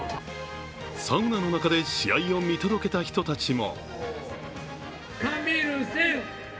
サウナの中で試合を見届けた人たちも。